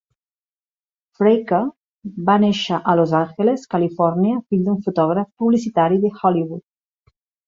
Fraker va néixer a Los Angeles, Califòrnia, fill d'un fotògraf publicitari de Hollywood.